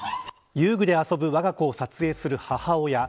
遊具で遊ぶわが子を撮影する母親。